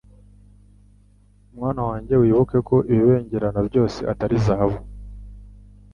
mwana wanjye wibuke ko ibibengerana byose atari zahabu